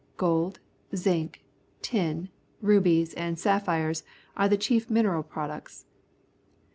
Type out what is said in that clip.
Gold, zinc, tin, rubies, and sapphires are the chief mineral pro ducts.